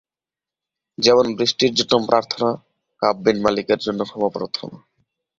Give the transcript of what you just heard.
যেমন; বৃষ্টির জন্য প্রার্থনা, কাব বিন মালিকের জন্যে ক্ষমা প্রার্থনা।